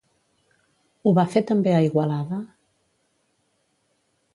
Ho va fer també a Igualada?